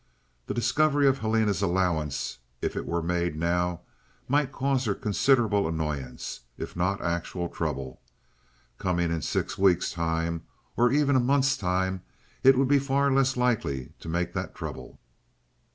The discovery of Helena's allowance, if it were made now, might cause her considerable annoyance, if not actual trouble. Coming in six weeks' time, or even a month's time, it would be far less likely to make that trouble.